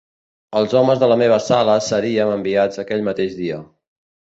Els homes de la meva sala seríem enviats aquell mateix dia